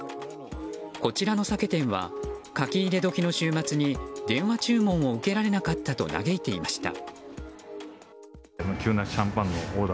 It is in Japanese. こちらの酒店は書き入れ時の週末に電話注文を受けられなかったと嘆いていました。